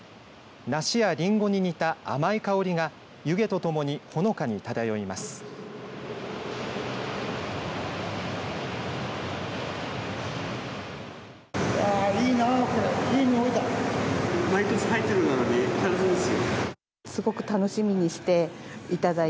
梨やりんごに似た甘い香りが湯気とともにほのかに漂います。